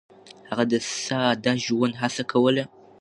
هغه د ساده ژوند هڅه کوله.